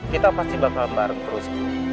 kita pasti bakal bareng terus